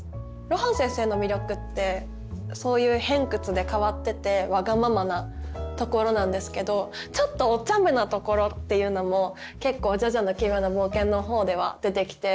露伴先生の魅力ってそういう偏屈で変わっててわがままなところなんですけどちょっとおちゃめなところっていうのも結構「ジョジョの奇妙な冒険」の方では出てきて。